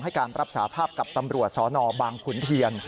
การรับสาภาพกับตำรวจสนบางขุนเทียน